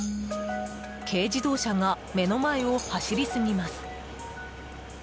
軽自動車が目の前を走り過ぎます。